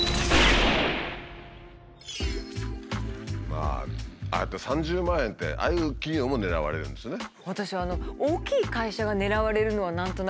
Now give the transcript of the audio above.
まあああやって３０万円ってああいう企業も狙われるんですね。